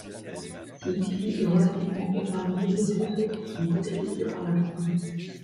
Si Xie est relativement épargné, les deux autres sont brutalisés par la foule.